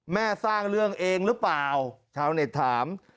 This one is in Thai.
สร้างเรื่องเองหรือเปล่าชาวเน็ตถาม